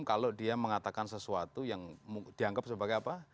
kalau dia mengatakan sesuatu yang dianggap sebagai apa